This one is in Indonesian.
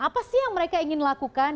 apa sih yang mereka ingin lakukan